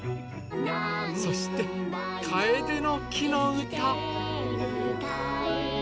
そして「カエデの木のうた」。